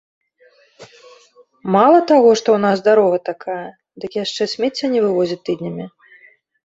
Мала таго, што ў нас дарога такая, дык яшчэ смецце не вывозяць тыднямі.